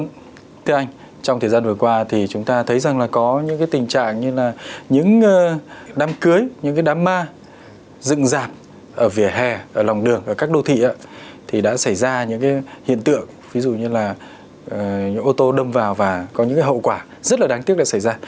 vâng anh trong thời gian vừa qua thì chúng ta thấy rằng là có những cái tình trạng như là những đám cưới những cái đám ma dựng dạp ở vỉa hè ở lòng đường ở các đô thị thì đã xảy ra những cái hiện tượng ví dụ như là những ô tô đâm vào và có những cái hậu quả rất là đáng tiếc đã xảy ra